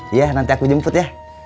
iya nanti aku jemput ya